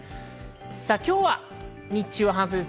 今日は日中は半袖です。